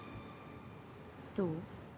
どう？